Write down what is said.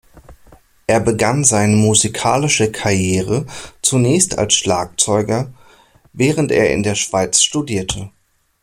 Er begann seine musikalische Karriere zunächst als Schlagzeuger, während er in der Schweiz studierte.